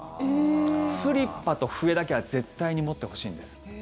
スリッパと笛だけは絶対に持ってほしいんです。